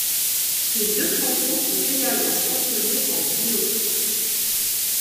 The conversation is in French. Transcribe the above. Ces deux chansons sont également transposées en vidéoclips.